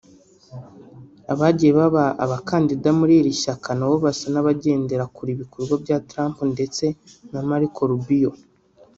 Abagiye baba abakandida muri iri shyaka nabo basa n’abagendera kure ibikorwa bya Trump ndetse Marco Rubio